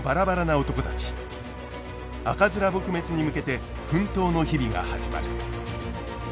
赤面撲滅に向けて奮闘の日々が始まる。